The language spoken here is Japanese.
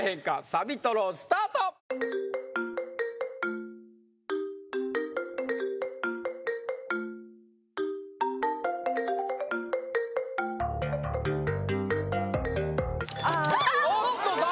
サビトロスタートおっと誰？